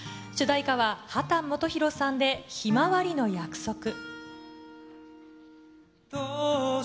主題歌は秦基博さんでひまわりの約束。